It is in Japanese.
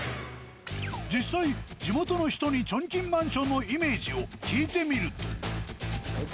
実際地元の人にチョンキンマンションのイメージを聞いてみると。